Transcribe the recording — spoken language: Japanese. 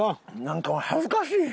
なんか恥ずかしい。